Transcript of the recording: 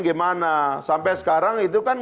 gimana sampai sekarang itu kan